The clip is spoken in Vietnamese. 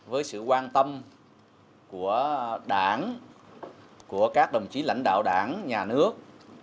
với sự quan tâm của đảng của các đồng chí lãnh đạo đảng nhà nước